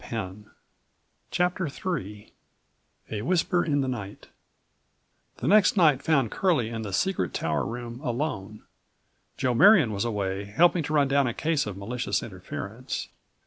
34 CHAPTER IIIA WHISPER IN THE NIGHT The next night found Curlie in the secret tower room alone. Joe Marion was away helping to run down a case of "malicious interference."